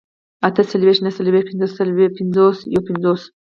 اتهڅلوېښت، نههڅلوېښت، پينځوس، يوپينځوس